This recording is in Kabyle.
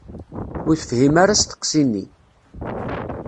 Ur tefhim ara asteqsi-nni.